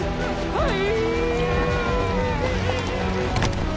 はい！